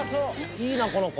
いいなこの子。